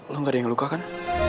lo gak ada yang luka kan